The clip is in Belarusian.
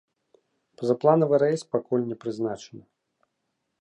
Пазапланавы рэйс пакуль не прызначаны.